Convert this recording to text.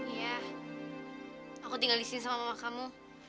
iya aku tinggal disini sama mama kamu